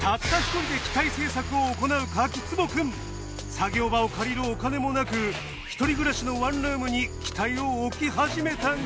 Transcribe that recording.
作業場を借りるお金もなく一人暮らしのワンルームに機体を置き始めたが